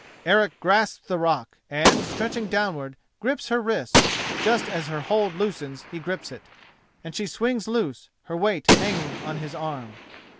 Eric grasps the rock and, stretching downward, grips her wrist; just as her hold loosens he grips it, and she swings loose, her weight hanging on his arm.